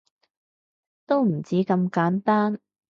都唔止咁簡單